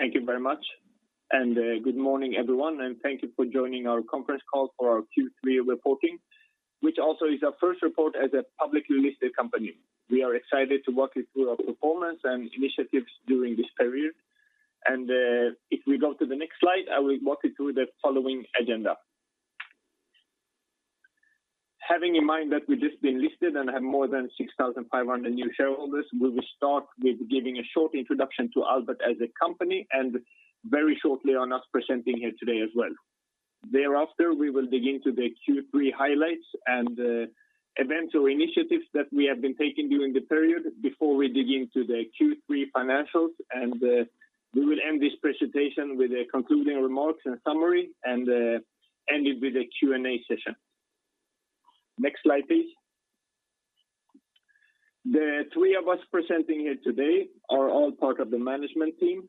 Thank you very much, and good morning everyone, and thank you for joining our conference call for our Q3 reporting, which also is our first report as a publicly listed company. We are excited to walk you through our performance and initiatives during this period. If we go to the next slide, I will walk you through the following agenda. Having in mind that we've just been listed and have more than 6,500 new shareholders, we will start with giving a short introduction to Albert as a company and very shortly on us presenting here today as well. Thereafter, we will dig into the Q3 highlights and events or initiatives that we have been taking during the period before we dig into the Q3 financials. We will end this presentation with the concluding remarks and summary and end it with a Q&A session. Next slide, please. The three of us presenting here today are all part of the management team.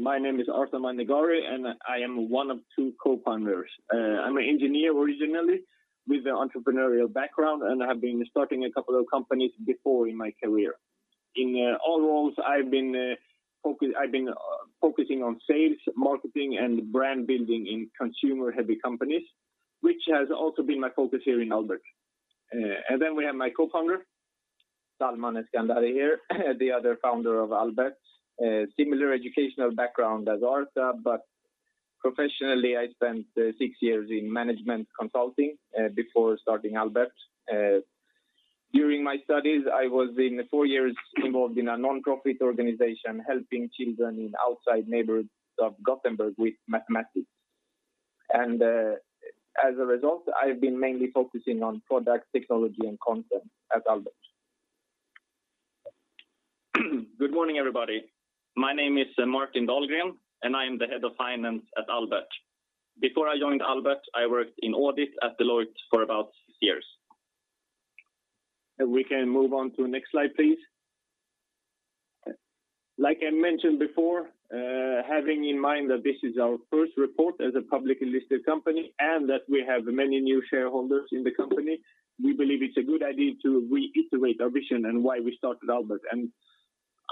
My name is Arta Mandegari, and I am one of two co-founders. I'm an engineer originally with an entrepreneurial background, and I have been starting a couple of companies before in my career. In all roles, I've been focusing on sales, marketing, and brand building in consumer-heavy companies, which has also been my focus here in Albert. We have my co-founder, Salman Eskandari here, the other founder of Albert. Similar educational background as Arta, but professionally, I spent six years in management consulting before starting Albert. During my studies, I was for four years involved in a nonprofit organization helping children in outside neighborhoods of Gothenburg with mathematics. As a result, I've been mainly focusing on product technology and content at Albert. Good morning, everybody. My name is Martin Dahlgren, and I am the Head of Finance at Albert. Before I joined Albert, I worked in audit at Deloitte for about six years. If we can move on to the next slide, please. Like I mentioned before, having in mind that this is our first report as a publicly listed company and that we have many new shareholders in the company, we believe it's a good idea to reiterate our vision and why we started Albert.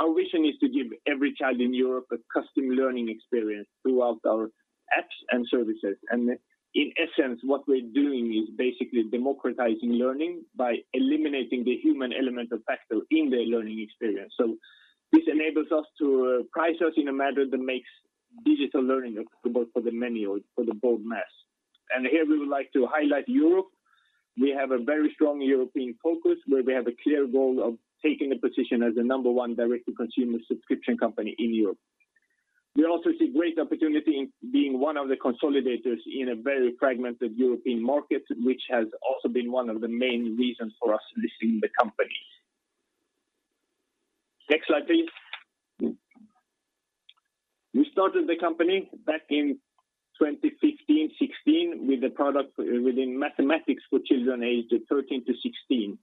Our vision is to give every child in Europe a custom learning experience throughout our apps and services. In essence, what we're doing is basically democratizing learning by eliminating the human element or factor in the learning experience. This enables us to price it in a manner that makes digital learning affordable for the many or for the broad mass. Here we would like to highlight Europe. We have a very strong European focus, where we have a clear goal of taking a position as the number one direct-to-consumer subscription company in Europe. We also see great opportunity in being one of the consolidators in a very fragmented European market, which has also been one of the main reasons for us listing the company. Next slide, please. We started the company back in 2015-2016 with a product within mathematics for children aged 13-16.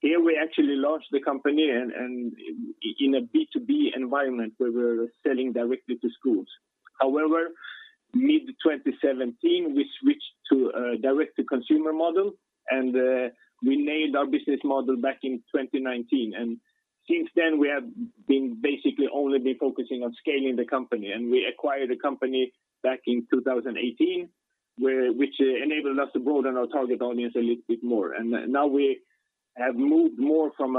Here we actually launched the company in a B2B environment where we're selling directly to schools. However, mid-2017, we switched to a direct-to-consumer model, and we made our business model back in 2019. Since then, we have been basically only focusing on scaling the company. We acquired a company back in 2018, which enabled us to broaden our target audience a little bit more. Now we have moved more from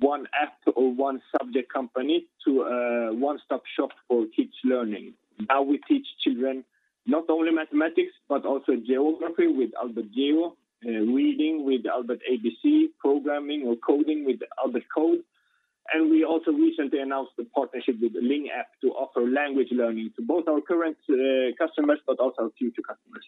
one app or one subject company to a one-stop shop for kids learning. Now we teach children not only mathematics but also geography with Albert Geo, reading with Albert ABC, programming or coding with Albert Code. We also recently announced a partnership with the Ling App to offer language learning to both our current customers but also our future customers.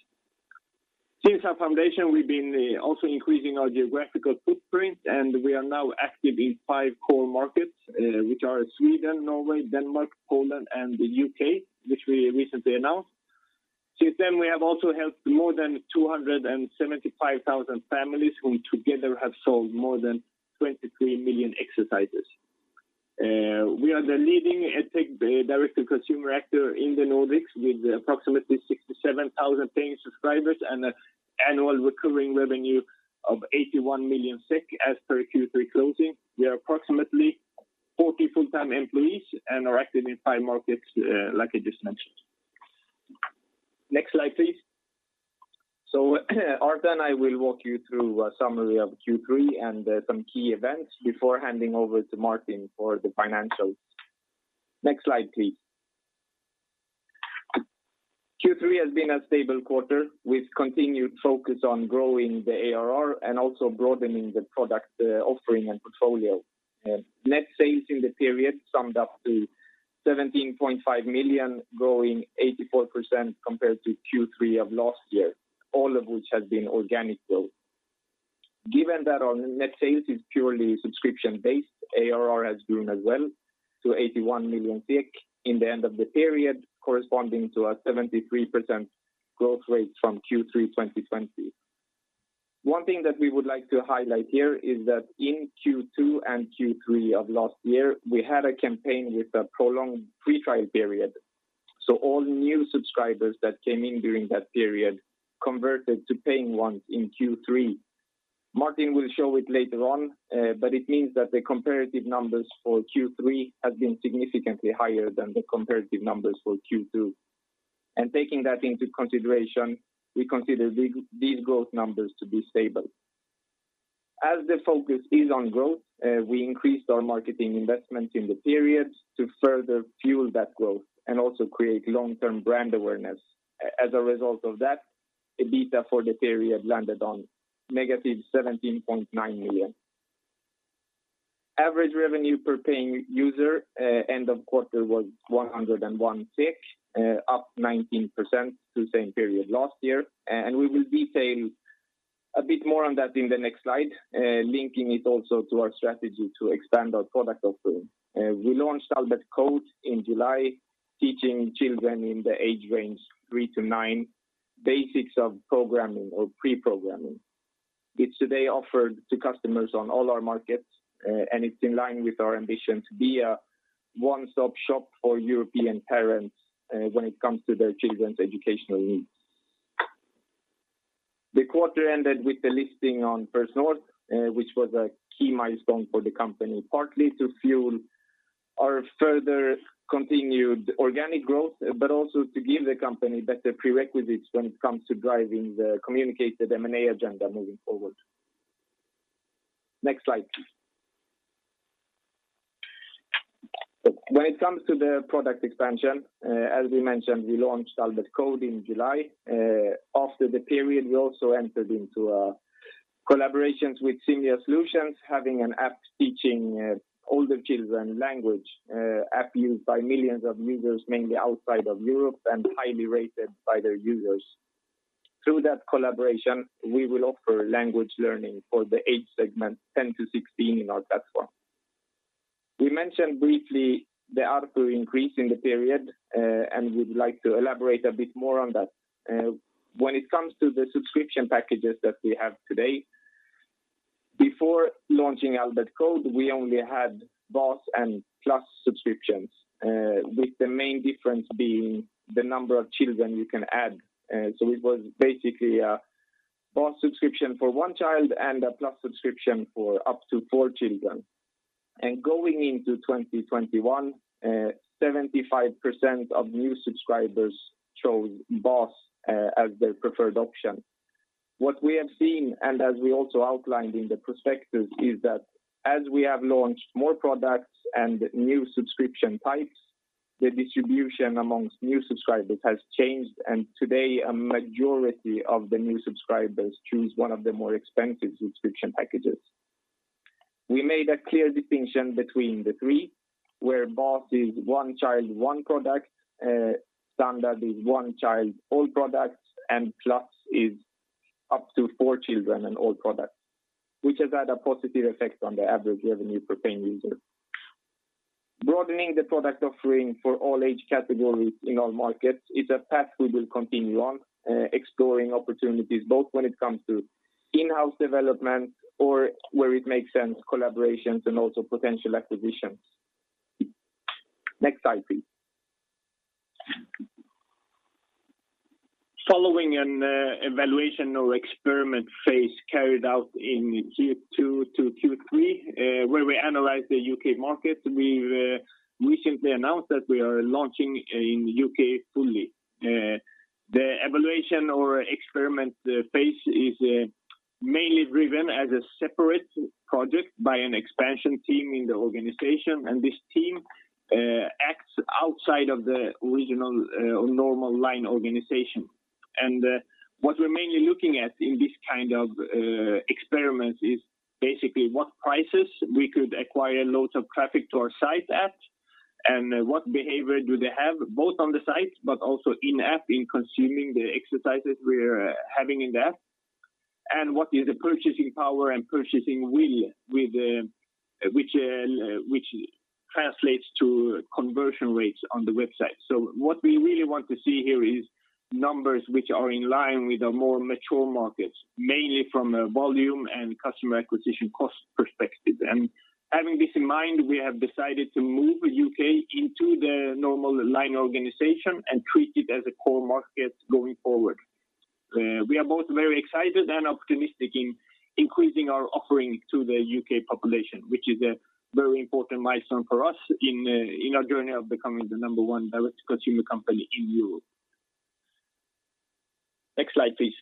Since our foundation, we've been also increasing our geographical footprint, and we are now active in five core markets, which are Sweden, Norway, Denmark, Poland, and the U.K., which we recently announced. Since then, we have also helped more than 275,000 families whom together have solved more than 23 million exercises. We are the leading EdTech direct-to-consumer actor in the Nordics with approximately 67,000 paying subscribers and annual recurring revenue of 81 million SEK as per Q3 closing. We are approximately 40 full-time employees and are active in five markets, like I just mentioned. Next slide, please. Arta and I will walk you through a summary of Q3 and some key events before handing over to Martin for the financials. Next slide, please. Q3 has been a stable quarter with continued focus on growing the ARR and also broadening the product offering and portfolio. Net sales in the period summed up to 17.5 million, growing 84% compared to Q3 of last year, all of which has been organic growth. Given that our net sales is purely subscription-based, ARR has grown as well to 81 million in the end of the period, corresponding to a 73% growth rate from Q3 2020. One thing that we would like to highlight here is that in Q2 and Q3 of last year, we had a campaign with a prolonged free trial period. All new subscribers that came in during that period converted to paying ones in Q3. Martin will show it later on, but it means that the comparative numbers for Q3 have been significantly higher than the comparative numbers for Q2. Taking that into consideration, we consider these growth numbers to be stable. As the focus is on growth, we increased our marketing investments in the period to further fuel that growth and also create long-term brand awareness. As a result of that, EBITDA for the period landed on -17.9 million. Average revenue per paying user, end of quarter was 101, up 19% to the same period last year. We will detail a bit more on that in the next slide, linking it also to our strategy to expand our product offering. We launched Albert Code in July, teaching children in the age range three to nine basics of programming or pre-programming. It's today offered to customers on all our markets, and it's in line with our ambition to be a one-stop shop for European parents, when it comes to their children's educational needs. The quarter ended with the listing on First North, which was a key milestone for the company, partly to fuel our further continued organic growth, but also to give the company better prerequisites when it comes to driving the communicated M&A agenda moving forward. Next slide, please. When it comes to the product expansion, as we mentioned, we launched Albert Code in July. After the period, we also entered into collaborations with Simya Solutions, having an app teaching older children language, app used by millions of users, mainly outside of Europe, and highly rated by their users. Through that collaboration, we will offer language learning for the age segment 10 to 16 in our platform. We mentioned briefly the ARPU increase in the period, and we'd like to elaborate a bit more on that. When it comes to the subscription packages that we have today, before launching Albert Code, we only had Basic and Plus subscriptions, with the main difference being the number of children you can add. It was basically a Basic subscription for one child and a Plus subscription for up to four children. Going into 2021, 75% of new subscribers chose Basic as their preferred option. What we have seen, and as we also outlined in the prospectus, is that as we have launched more products and new subscription types, the distribution among new subscribers has changed, and today, a majority of the new subscribers choose one of the more expensive subscription packages. We made a clear distinction between the three, where [Basic] is one child, one product, Standard is one child, all products, and Plus is up to four children and all products, which has had a positive effect on the average revenue per paying user. Broadening the product offering for all age categories in all markets is a path we will continue on, exploring opportunities, both when it comes to in-house development or, where it makes sense, collaborations and also potential acquisitions. Next slide, please. Following an evaluation or experiment phase carried out in Q2 to Q3, where we analyzed the U.K. market, we've recently announced that we are launching in the U.K. fully. The evaluation or experiment phase is mainly driven as a separate project by an expansion team in the organization, and this team acts outside of the original normal line organization. What we're mainly looking at in this kind of experiment is basically what prices we could acquire loads of traffic to our site at, and what behavior do they have, both on the site, but also in-app in consuming the exercises we're having in the app, and what is the purchasing power and purchasing will with the, which translates to conversion rates on the website. What we really want to see here is numbers which are in line with the more mature markets, mainly from a volume and customer acquisition cost perspective. Having this in mind, we have decided to move U.K. into the normal line organization and treat it as a core market going forward. We are both very excited and optimistic in increasing our offering to the U.K. population, which is a very important milestone for us in our journey of becoming the number one direct-to-consumer company in Europe. Next slide, please.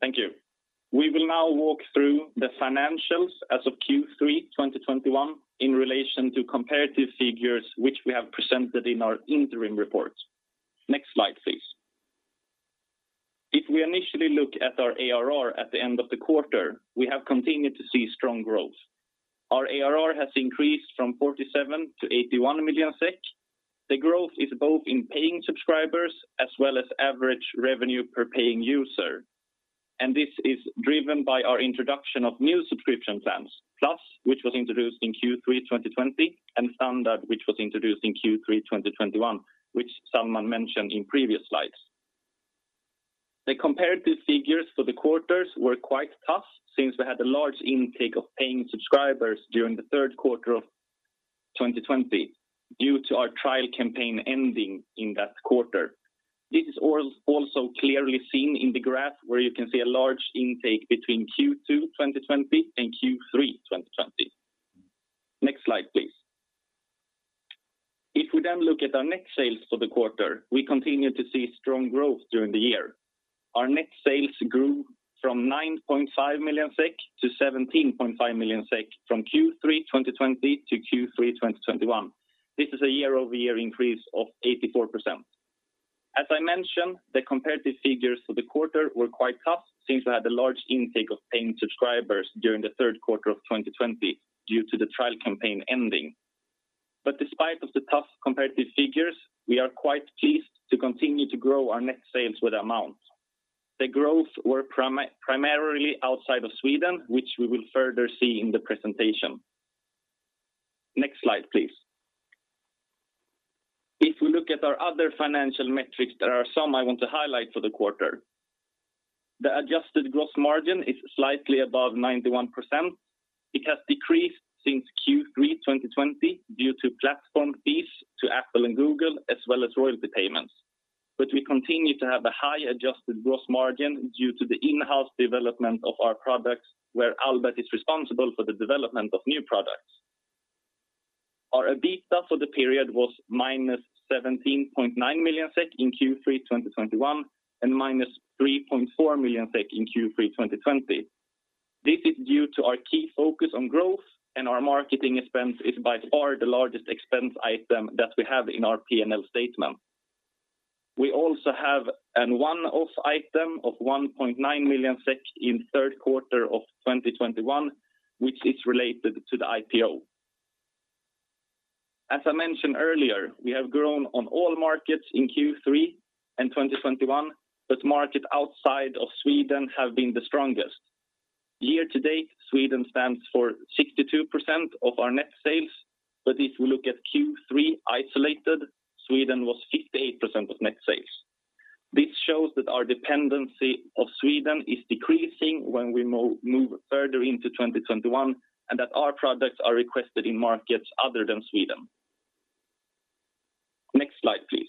Thank you. We will now walk through the financials as of Q3 2021 in relation to comparative figures which we have presented in our interim report. Next slide, please. If we initially look at our ARR at the end of the quarter, we have continued to see strong growth. Our ARR has increased from 47 million to 81 million SEK. The growth is both in paying subscribers as well as average revenue per paying user, and this is driven by our introduction of new subscription plans, Plus, which was introduced in Q3 2020, and Standard, which was introduced in Q3 2021, which Salman mentioned in previous slides. The comparative figures for the quarters were quite tough since we had a large intake of paying subscribers during the third quarter of 2020 due to our trial campaign ending in that quarter. This is also clearly seen in the graph where you can see a large intake between Q2 2020 and Q3 2020. Next slide, please. If we then look at our net sales for the quarter, we continue to see strong growth during the year. Our net sales grew from 9.5 million SEK to 17.5 million SEK from Q3 2020 to Q3 2021. This is a year-over-year increase of 84%. As I mentioned, the comparative figures for the quarter were quite tough since we had a large intake of paying subscribers during the third quarter of 2020 due to the trial campaign ending. Despite of the tough comparative figures, we are quite pleased to continue to grow our net sales with amounts. The growth were primarily outside of Sweden, which we will further see in the presentation. Next slide, please. If we look at our other financial metrics, there are some I want to highlight for the quarter. The adjusted gross margin is slightly above 91%. It has decreased since Q3 2020 due to platform fees to Apple and Google, as well as royalty payments. We continue to have a high adjusted gross margin due to the in-house development of our products, where Albert is responsible for the development of new products. Our EBITDA for the period was -17.9 million SEK in Q3 2021 and -3.4 million SEK in Q3 2020. This is due to our key focus on growth, and our marketing expense is by far the largest expense item that we have in our P&L statement. We also have a one-off item of 1.9 million SEK in the third quarter of 2021, which is related to the IPO. As I mentioned earlier, we have grown on all markets in Q3 2021, but markets outside of Sweden have been the strongest. Year to date, Sweden stands for 62% of our net sales. If we look at Q3 isolated, Sweden was 58% of net sales. This shows that our dependence on Sweden is decreasing when we move further into 2021, and that our products are requested in markets other than Sweden. Next slide, please.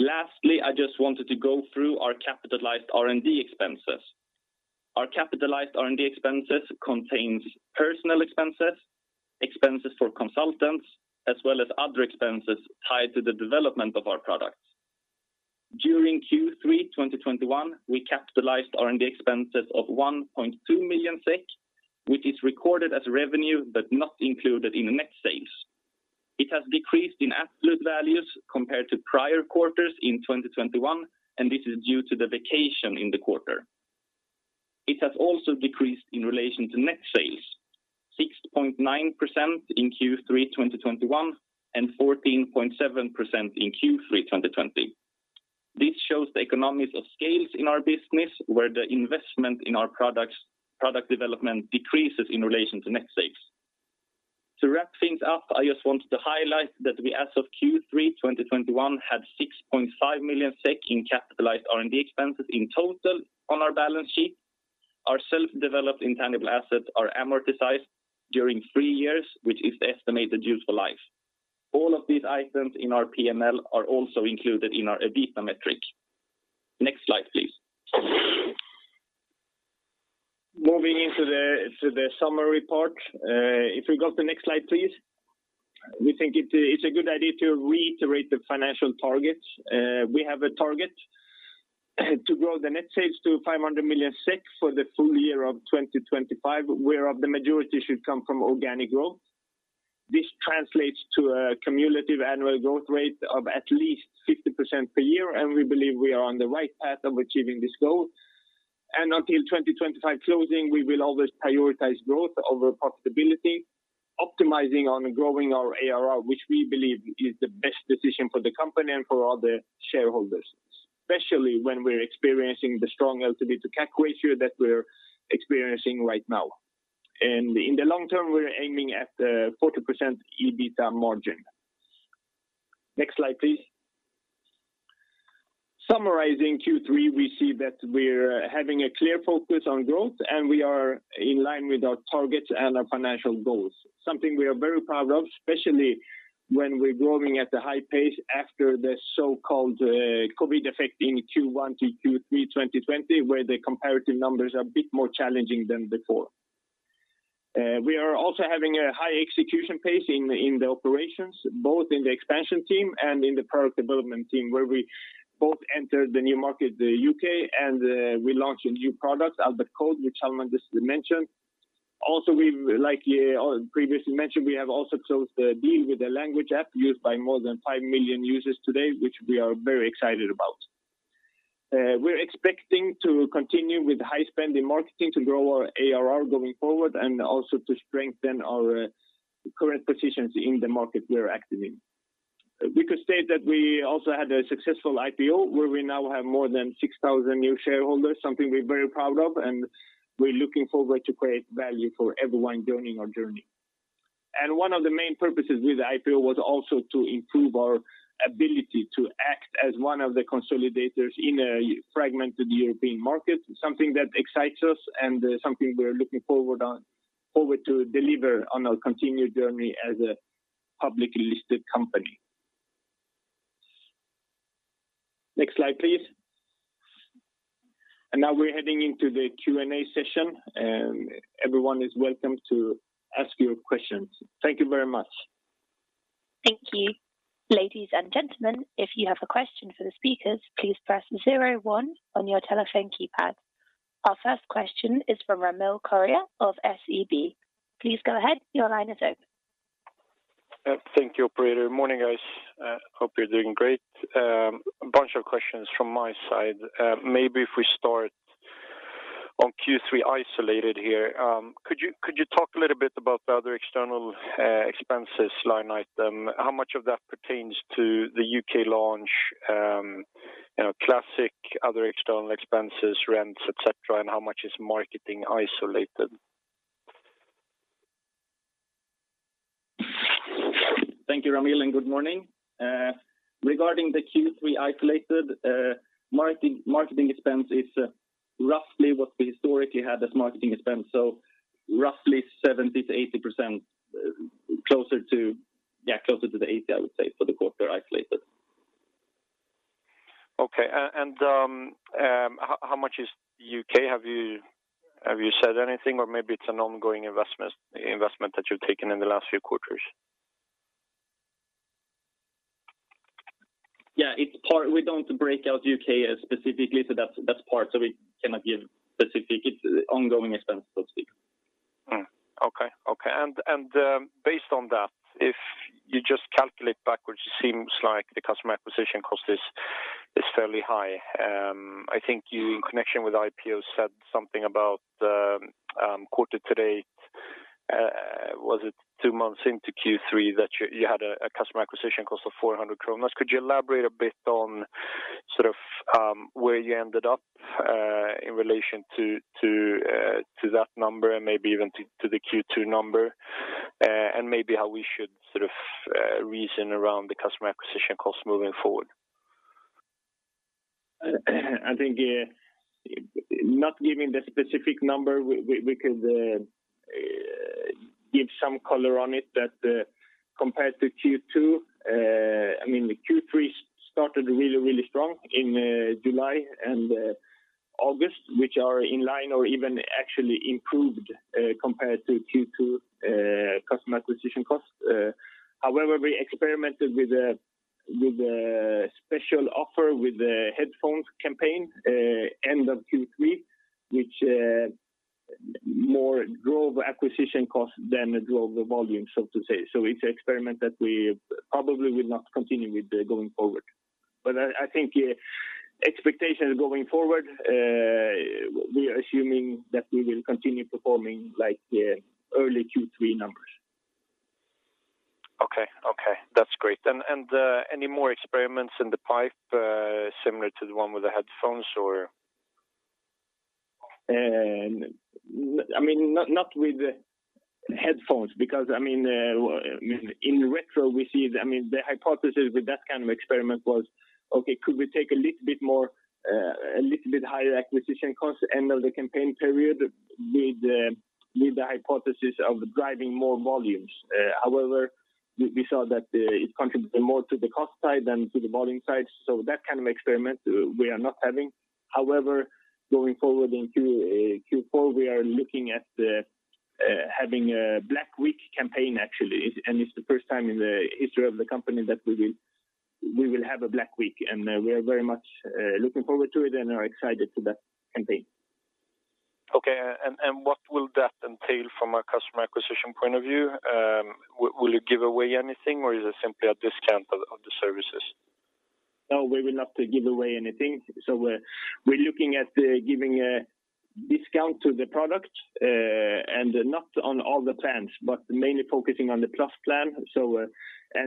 Lastly, I just wanted to go through our capitalized R&D expenses. Our capitalized R&D expenses contains personal expenses for consultants, as well as other expenses tied to the development of our products. During Q3 2021, we capitalized R&D expenses of 1.2 million SEK, which is recorded as revenue but not included in the net sales. It has decreased in absolute values compared to prior quarters in 2021, and this is due to the vacation in the quarter. It has also decreased in relation to net sales, 60.9% in Q3 2021 and 14.7% in Q3 2020. This shows the economies of scale in our business, where the investment in our product development decreases in relation to net sales. To wrap things up, I just wanted to highlight that we, as of Q3 2021, had 6.5 million SEK in capitalized R&D expenses in total on our balance sheet. Our self-developed intangible assets are amortized during three years, which is the estimated useful life. All of these items in our P&L are also included in our EBITDA metric. Next slide, please. Moving to the summary part, if we got the next slide, please. We think it's a good idea to reiterate the financial targets. We have a target to grow the net sales to 500 million SEK for the full year of 2025, whereof the majority should come from organic growth. This translates to a cumulative annual growth rate of at least 50% per year, and we believe we are on the right path of achieving this goal. Until 2025 closing, we will always prioritize growth over profitability, optimizing on growing our ARR, which we believe is the best decision for the company and for all the shareholders, especially when we're experiencing the strong LTV to CAC ratio that we're experiencing right now. In the long term, we're aiming at 40% EBITDA margin. Next slide, please. Summarizing Q3, we see that we're having a clear focus on growth, and we are in line with our targets and our financial goals. Something we are very proud of, especially when we're growing at a high pace after the so-called COVID effect in Q1 to Q3 2020, where the comparative numbers are a bit more challenging than before. We are also having a high execution pace in the operations, both in the expansion team and in the product development team, where we both entered the new market, the U.K., and we launched a new product, Albert Code, which Arta Mandegari just mentioned. Also, we've previously mentioned, we have also closed a deal with a language app used by more than 5 million users today, which we are very excited about. We're expecting to continue with high spend in marketing to grow our ARR going forward and also to strengthen our current positions in the market we are active in. We could state that we also had a successful IPO, where we now have more than 6,000 new shareholders, something we're very proud of, and we're looking forward to create value for everyone joining our journey. One of the main purposes with the IPO was also to improve our ability to act as one of the consolidators in a fragmented European market, something that excites us and something we're looking forward to deliver on our continued journey as a publicly listed company. Next slide, please. Now we're heading into the Q&A session, and everyone is welcome to ask your questions. Thank you very much. Thank you. Ladies and gentlemen, if you have a question for the speakers, please press zero one on your telephone keypad. Our first question is from [Ramil Kuriev] of SEB. Please go ahead. Your line is open. Thank you, operator. Morning, guys. Hope you're doing great. A bunch of questions from my side. Maybe if we start on Q3 isolated here. Could you talk a little bit about the other external expenses line item? How much of that pertains to the U.K. launch, you know, classic other external expenses, rents, et cetera, and how much is marketing isolated? Thank you, Ramil, and good morning. Regarding the Q3 isolated, marketing expense is roughly what we historically had as marketing expense. Roughly 70%-80% closer to, yeah, closer to the 80%, I would say, for the quarter isolated. Okay. How much is U.K.? Have you said anything or maybe it's an ongoing investment that you've taken in the last few quarters? Yeah, it's part. We don't break out U.K. specifically, that's part. We cannot give specific. It's ongoing expense, so to speak. Okay. Okay. Based on that, if you just calculate backwards, it seems like the customer acquisition cost is fairly high. I think you, in connection with IPO, said something about quarter to date, was it two months into Q3 that you had a customer acquisition cost of 400. Could you elaborate a bit on sort of where you ended up in relation to that number and maybe even to the Q2 number, and maybe how we should sort of reason around the customer acquisition costs moving forward? I think, not giving the specific number, we could give some color on it that, compared to Q2, I mean, Q3 started really strong in July and August, which are in line or even actually improved, compared to Q2, customer acquisition costs. However, we experimented with a special offer with the headphones campaign, end of Q3, which more drove acquisition costs than it drove the volume, so to say. It's an experiment that we probably will not continue with, going forward. I think, expectations going forward, we are assuming that we will continue performing like the early Q3 numbers. Okay. That's great. Any more experiments in the pipeline, similar to the one with the headphones or? I mean, not with the headphones because I mean, in retrospect we see the hypothesis with that kind of experiment was, okay, could we take a little bit more, a little bit higher acquisition cost to end of the campaign period with the hypothesis of driving more volumes. However, we saw that it contributed more to the cost side than to the volume side. That kind of experiment we are not having. However, going forward in Q4, we are looking at having a Black Week campaign, actually. It's the first time in the history of the company that we will have a Black Week, and we are very much looking forward to it and are excited to that campaign. Okay. What will that entail from a customer acquisition point of view? Will you give away anything or is it simply a discount of the services? No, we will not give away anything. We're looking at giving a discount to the product, and not on all the plans, but mainly focusing on the Plus plan.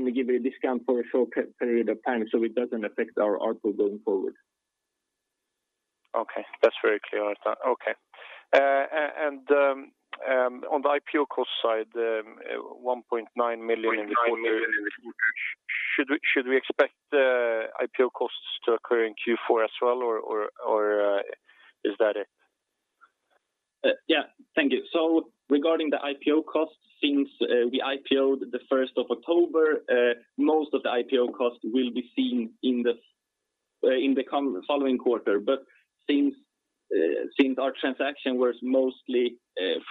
We give a discount for a short period of time, so it doesn't affect our ARPU going forward. Okay. That's very clear. Okay. On the IPO cost side, 1.9 million in the quarter. Should we expect IPO costs to occur in Q4 as well or is that it? Yeah. Thank you. Regarding the IPO costs, since we IPO'd the first of October, most of the IPO costs will be seen in the following quarter. Since our transaction was mostly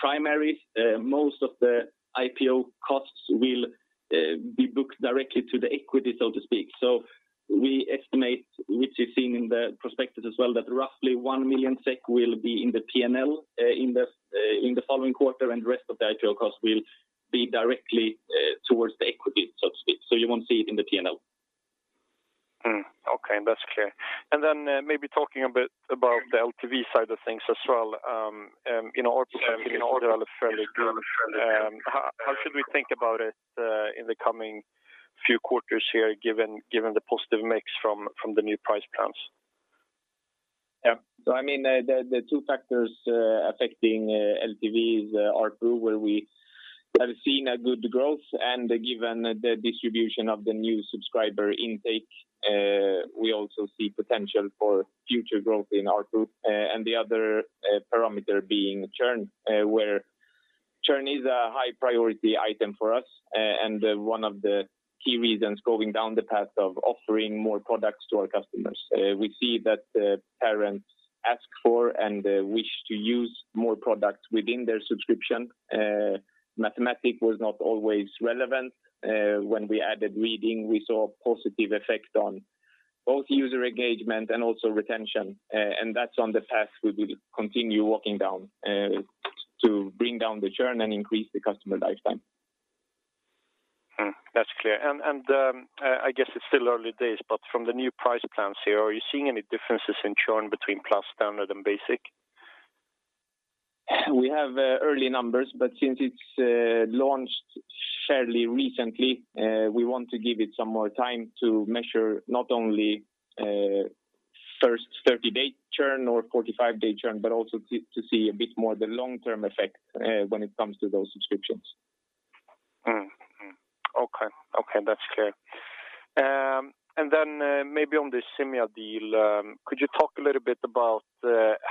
primary, most of the IPO costs will be booked directly to the equity, so to speak. We estimate, which is seen in the prospectus as well, that roughly 1 million SEK will be in the P&L in the following quarter, and the rest of the IPO cost will be directly towards the equity, so to speak. You won't see it in the P&L. Okay. That's clear. Maybe talking a bit about the LTV side of things as well. You know, ARPU I think is fairly good. How should we think about it in the coming few quarters here, given the positive mix from the new price plans? Yeah. I mean, the two factors affecting LTV is ARPU, where we have seen a good growth, and given the distribution of the new subscriber intake, we also see potential for future growth in ARPU. The other parameter being churn, where churn is a high priority item for us and one of the key reasons going down the path of offering more products to our customers. We see that parents ask for and wish to use more products within their subscription. Mathematics was not always relevant. When we added reading, we saw a positive effect on both user engagement and also retention. That's on the path we will continue walking down to bring down the churn and increase the customer lifetime. That's clear. I guess it's still early days, but from the new price plans here, are you seeing any differences in churn between Plus, Standard, and Basic? We have early numbers, but since it's launched fairly recently, we want to give it some more time to measure not only first 30-day churn or 45-day churn but also to see a bit more the long-term effect when it comes to those subscriptions. Okay, that's clear. Maybe on the Simya deal, could you talk a little bit about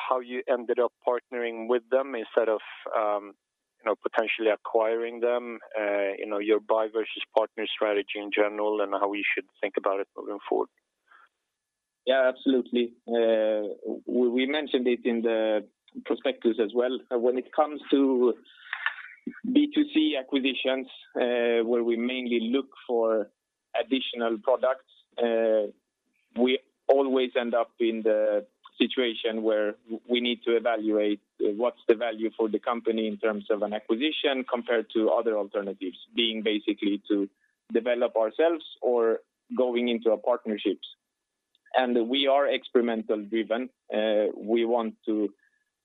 how you ended up partnering with them instead of, you know, potentially acquiring them? You know, your buy versus partner strategy in general and how we should think about it moving forward. Yeah, absolutely. We mentioned it in the prospectus as well. When it comes to B2C acquisitions, where we mainly look for additional products, we always end up in the situation where we need to evaluate what's the value for the company in terms of an acquisition compared to other alternatives, being basically to develop ourselves or going into partnerships. We are experimental-driven. We want to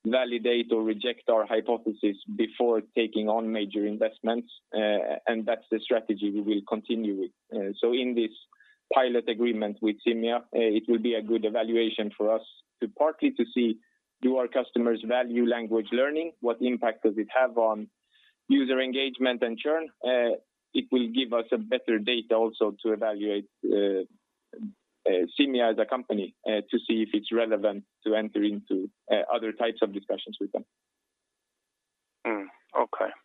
validate or reject our hypothesis before taking on major investments. That's the strategy we will continue with. In this pilot agreement with Simya, it will be a good evaluation for us to partly to see do our customers value language learning? What impact does it have on user engagement and churn? It will give us a better data also to evaluate Simya as a company to see if it's relevant to enter into other types of discussions with them.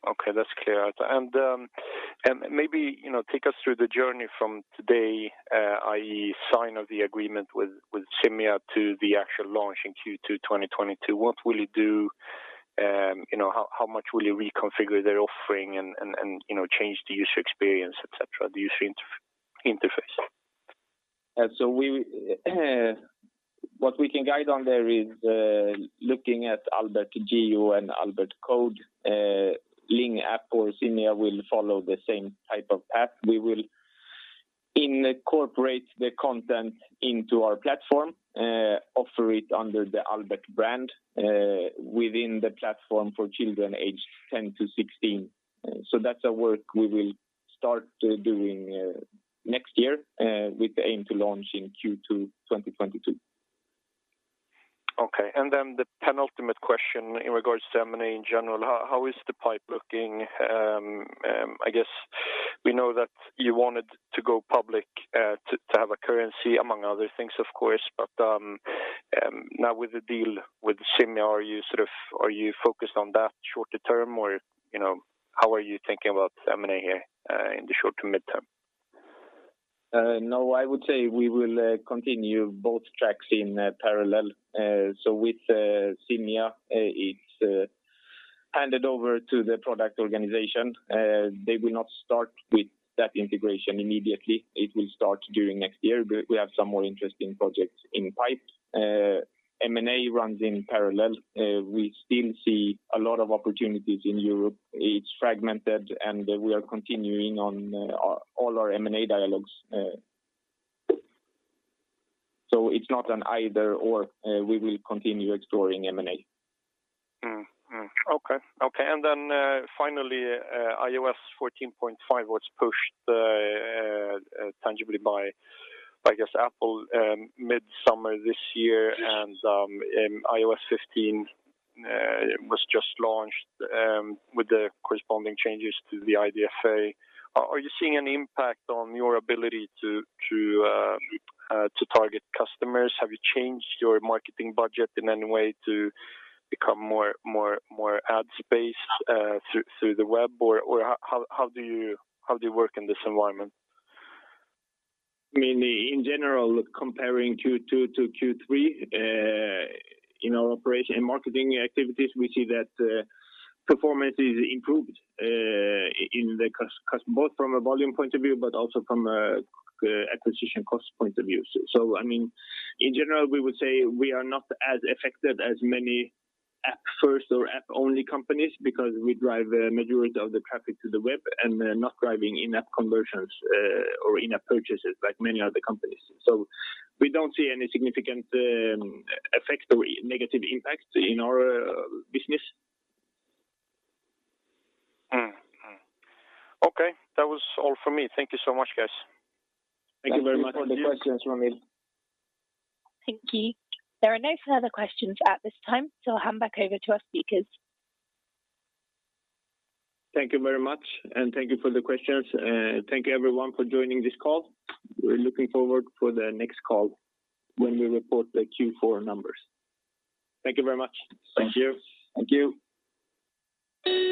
Okay, that's clear. Maybe, you know, take us through the journey from today, i.e. signing of the agreement with Simya to the actual launch in Q2 2022. What will you do? You know, how much will you reconfigure their offering and, you know, change the user experience, et cetera, the user interface. What we can guide on there is looking at Albert Geo and Albert Code, Ling App or Simya will follow the same type of path. We will incorporate the content into our platform, offer it under the Albert brand, within the platform for children aged 10 to 16. That's a work we will start doing next year with the aim to launch in Q2 2022. Okay. The penultimate question in regard to M&A in general. How is the pipeline looking? I guess we know that you wanted to go public to have a currency among other things, of course. Now with the deal with Simya, are you sort of focused on that short term or, you know, how are you thinking about M&A here in the short to mid-term? No, I would say we will continue both tracks in parallel. With Simya, it's handed over to the product organization. They will not start with that integration immediately. It will start during next year. We have some more interesting projects in pipeline. M&A runs in parallel. We still see a lot of opportunities in Europe. It's fragmented, and we are continuing on all our M&A dialogues. It's not an either/or. We will continue exploring M&A. Finally, iOS 14.5 was pushed tangibly by, I guess, Apple, mid-summer this year. IOS 15 was just launched with the corresponding changes to the IDFA. Are you seeing an impact on your ability to target customers? Have you changed your marketing budget in any way to buy more ad space through the web? Or, how do you work in this environment? Mainly in general, comparing Q2 to Q3, in our operation and marketing activities, we see that performance is improved both from a volume point of view, but also from an acquisition cost point of view. I mean, in general, we would say we are not as affected as many app-first or app-only companies because we drive a majority of the traffic to the web and not driving in-app conversions or in-app purchases like many other companies. We don't see any significant effects or negative impacts in our business. Okay. That was all for me. Thank you so much, guys. Thank you very much. Thank you for the questions, Ramil. Thank you. There are no further questions at this time, so I'll hand back over to our speakers. Thank you very much, and thank you for the questions. Thank you everyone for joining this call. We're looking forward for the next call when we report the Q4 numbers. Thank you very much. Thank you. Thank you.